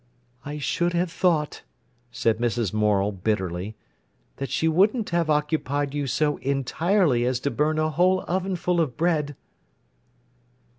"I should have thought," said Mrs. Morel bitterly, "that she wouldn't have occupied you so entirely as to burn a whole ovenful of bread."